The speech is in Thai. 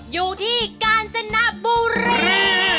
อยู่ที่กาญจนบุรี